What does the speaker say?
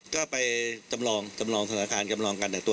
ก็ไปจำลองจำลองสถานการณ์จำลองการแต่งตัว